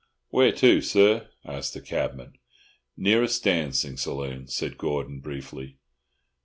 "Where to, sir?" asked the cabman. "Nearest dancing saloon," said Gordon, briefly.